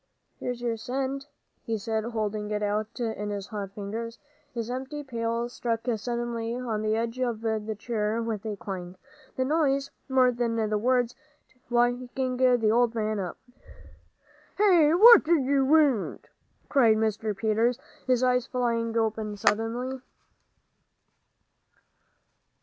"Here's your cent," he said, holding it out in his hot fingers. His empty pail struck suddenly on the edge of the chair with a clang, the noise, more than the words, waking the old man up. "Hey? What d'ye want?" cried Mr. Peters, his eyes flying open suddenly.